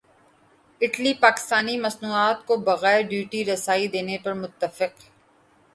Italy Pakistani مصنوعات کو بغیر ڈیوٹی رسائی دینے پر متفق